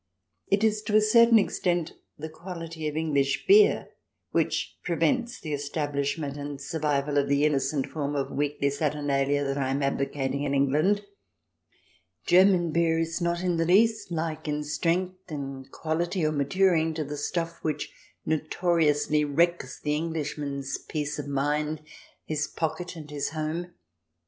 It is to a certain extent the quality of English beer which prevents the estab lishment and survival of the innocent form of weekly saturnalia that I am advocating in England I German beer is not in the least like, in strength, in quahty, or maturing, to the stuff which notoriously wrecks the Englishman's peace of mind, his pocket, and his home.